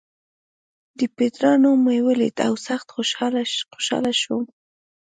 د پېټرا نوم مې ولید او سخت خوشاله شوم.